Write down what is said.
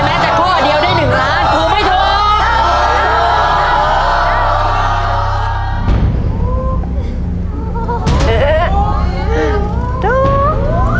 แม้แต่ข้อเดียวได้๑ล้านถูกไม่ถูก